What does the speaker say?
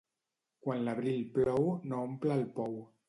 Quan l'abril plou, no omple el pou.